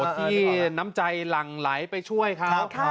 ที่น้ำใจหลั่งไหลไปช่วยเขา